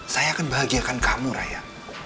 saya akan bahagiakan kamu raya